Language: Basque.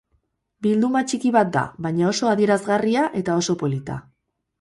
Bilduma txiki bat da, baina oso adierazgarria eta oso polita.